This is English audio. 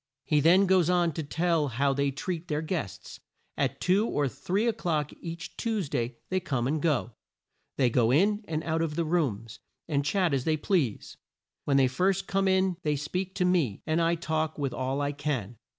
He then goes on to tell how they treat their guests. "At two or three o'clock each Tues day they come and go. They go in and out of the rooms and chat as they please. When they first come in they speak to me, and I talk with all I can.